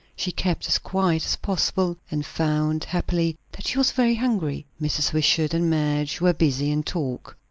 She kept as quiet as possible, and found, happily, that she was very hungry. Mrs. Wishart and Madge were busy in talk.